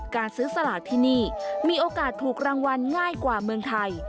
การซื้อสลากที่นี่มีโอกาสถูกรางวัลง่ายกว่าเมืองไทย